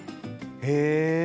へえ。